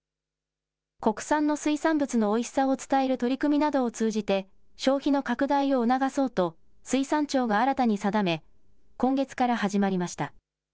国産の水産物のおいしさを伝える取り組みなどを通じて、消費の拡大を促そうと、水産庁が新たに定め、今月から始まりました。